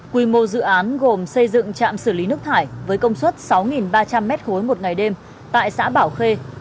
quy mô dự án gồm xây dựng trạm xử lý nước thải với công suất sáu ba trăm linh m ba một ngày đêm tại xã bảo khê